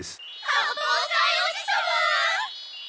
八方斎おじさま！